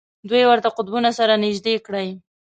دوه ورته قطبونه سره نژدې کړئ.